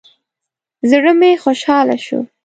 زړه مې خوشحاله شو.